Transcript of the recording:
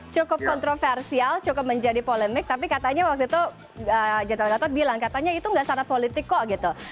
cukup kontroversial cukup menjadi polemik tapi katanya waktu itu general gatot bilang katanya itu nggak syarat politik kok gitu